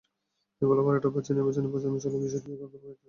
এগুলোর বারোটা বাজিয়ে নির্বাচনী প্রচারণা চালানোর বিষয়টি দেখে হতবাক হতে হয়।